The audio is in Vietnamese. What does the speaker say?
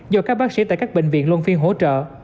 do các bác sĩ tại các bệnh viện luân phiên hỗ trợ